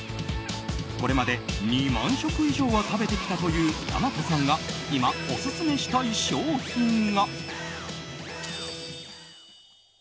これまで２万食以上は食べてきたという大和さんが今、オススメしたい商品が。